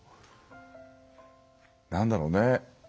何だろうね。